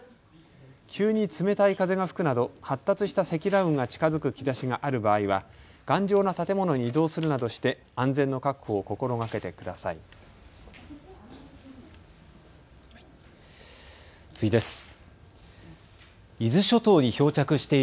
急に冷たい風が吹くなど発達した積乱雲が近づく兆しがある場合は頑丈な建物に移動するなどして安全の確保を心がけてください。